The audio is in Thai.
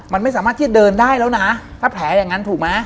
มันไม่สามารถที่จะเดินได้แล้วนะถ้าแผลอย่างนั้นถูกไหม